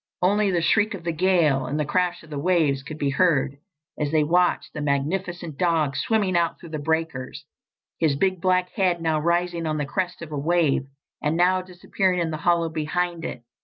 Only the shriek of the gale and the crash of the waves could be heard as they watched the magnificent dog swimming out through the breakers, his big black head now rising on the crest of a wave and now disappearing in the hollow behind it.